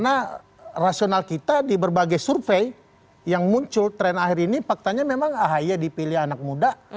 karena di berbagai survei yang muncul tren akhir ini faktanya memang ahi dipilih anak muda